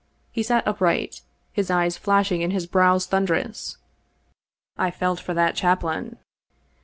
He sat upright, his eyes flashing and his brow thunderous. I felt for that chaplain.